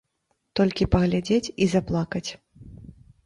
Толькі паглядзець і заплакаць.